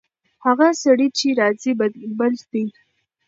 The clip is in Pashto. هغه سړی چې راځي، بل دی.